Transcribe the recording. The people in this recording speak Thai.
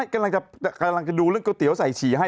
กำลังจะดูเรื่องก๋วยเตี๋ยวใส่ฉี่ให้